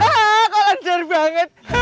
aaaaah kok lancar banget